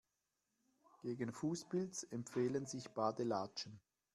Gegen Fußpilz empfehlen sich Badelatschen.